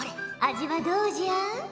味はどうじゃ？